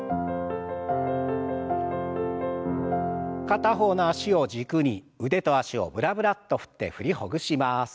片方の脚を軸に腕と脚をブラブラッと振って振りほぐします。